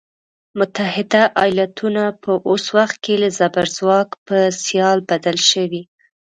متحده ایالتونه په اوس وخت کې له زبرځواک په سیال بدل شوی.